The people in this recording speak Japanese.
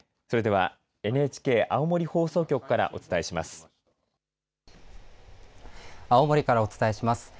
それではＮＨＫ青森放送局からお伝えします。